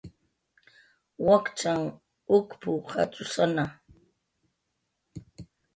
"Wakchanh ukp"" qatzusanawa"